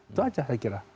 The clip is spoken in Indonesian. itu saja saya kira